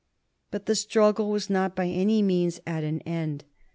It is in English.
But the struggle was not by any means at an end.